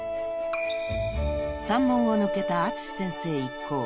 ［山門を抜けた淳先生一行］